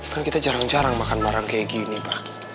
kan kita jarang jarang makan barang kayak gini pak